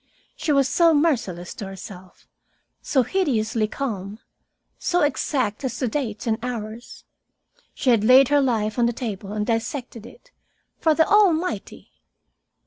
She was so merciless to herself, so hideously calm, so exact as to dates and hours. She had laid her life on the table and dissected it for the Almighty!